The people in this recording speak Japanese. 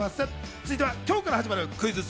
続いては今日から始まるクイズッス。